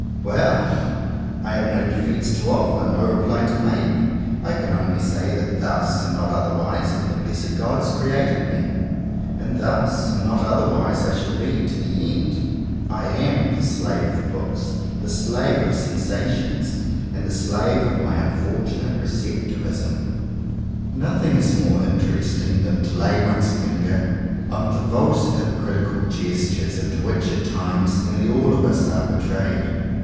Well! I have no defence to offer — no reply to make. I can only say that thus, and not otherwise, have the blessed Gods created me; and thus, and not otherwise, I shall be to the end. I am the slave of books, the slave of sensations, and the slave of my unfortunate "recep tivism." 82 JOHN COWPER POWYS Nothing is more interesting than to lay one's finger on the false hypocritical gestures into which at times nearly all of us are betrayed.